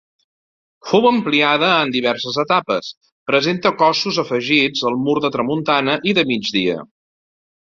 Fou ampliada en diverses etapes, presenta cossos afegits al mur de tramuntana i de migdia.